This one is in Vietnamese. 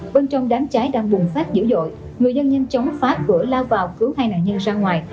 bên trong đám cháy đang bùng phát dữ dội người dân nhanh chóng phá cửa lao vào cứu hai nạn nhân ra ngoài